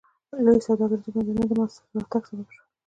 لویو سوداګریزو بندرونو د منځته راتګ سبب شول.